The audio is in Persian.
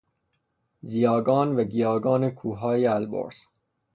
زیاگان و گیاگان کوههای البرز